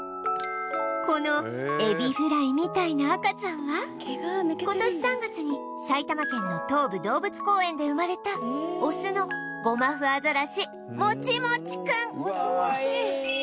このエビフライみたいな赤ちゃんは今年３月に埼玉県の東武動物公園で生まれたオスのゴマフアザラシもちもちくん「かわいい」